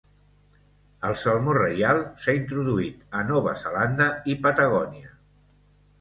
El salmó reial s"ha introduït a Nova Zelanda i Patagònia.